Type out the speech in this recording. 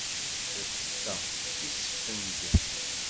La ttetteɣ tisfenjet.